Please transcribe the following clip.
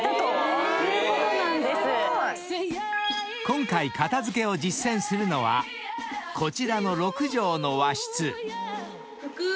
［今回片付けを実践するのはこちらの］